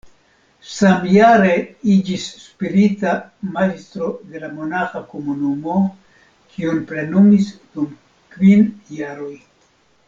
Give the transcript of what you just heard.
Samjare iĝis spirita majstro de la monaĥa komunumo, kion plenumis dum kvin jaroj.